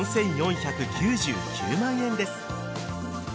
４４９９万円です。